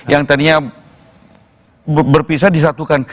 yang tadinya berpisah disatukan